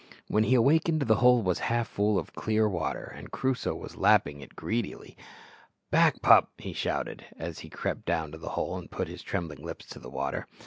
When he awakened the hole was half full of clear water, and Crusoe was lapping it greedily. "Back, pup!" he shouted, as he crept down to the hole and put his trembling lips to the water.